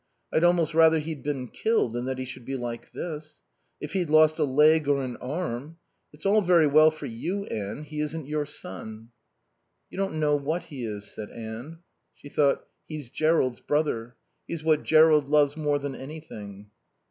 I'd almost rather he'd been killed than that he should be like this. If he'd lost a leg or an arm.... It's all very well for you, Anne. He isn't your son." "You don't know what he is," said Anne. She thought: "He's Jerrold's brother. He's what Jerrold loves more than anything."